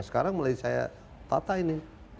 sekarang mulai saya tata ini